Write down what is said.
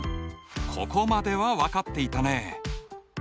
ここまでは分かっていたね。